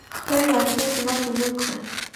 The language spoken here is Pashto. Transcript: خپل يوازيتوب زما په نوم کړه